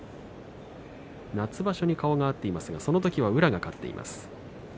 夏場所に顔が合っていますがその時は宇良が勝っています。